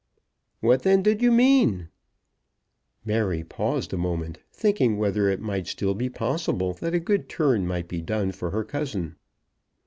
"What then did you mean?" Mary paused a moment, thinking whether it might still be possible that a good turn might be done for her cousin.